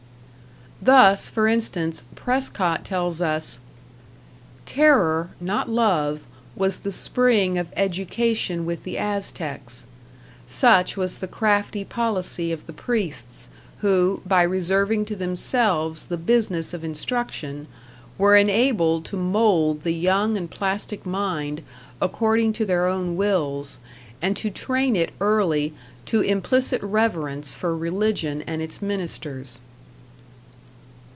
Thus, for instance, Prescott tells us: Terror, not love, was the spring of education with the Aztecs....Such was the crafty policy of the priests, who, by reserving to themselves the business of instruction, were enabled to mould the young and plastic mind according to their own wills, and to train it early to implicit reverence for religion and its ministers.